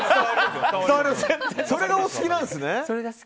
それがお好きなんですね。